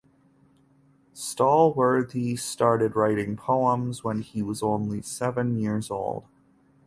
Stallworthy started writing poems when he was only seven years old.